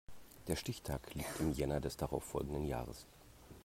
Der Stichtag liegt im Jänner des darauf folgenden Jahres.